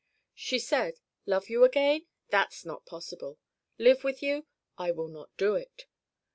She said: "Love you again? That's not possible. Live with you? I will not do it."